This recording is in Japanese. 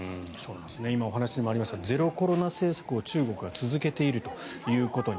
今、お話にもありましたゼロコロナ政策を中国は続けていると。